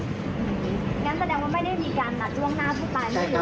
งั้นแสดงว่าไม่ได้มีการนัดล่วงหน้าผู้ตาย